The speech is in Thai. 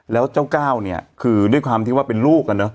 แล้วเจ้าก้าวเนี่ยคือด้วยความที่ว่าเป็นลูกอ่ะเนอะ